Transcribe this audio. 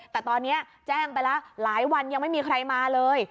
แต่ตอนนี้แจ้งไปแล้วหลายวันยังไม่มีใครมาเลย